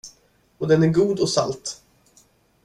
Och den är god och salt.